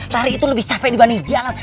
tari itu lebih capek dibanding jalan